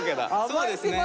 そうですね。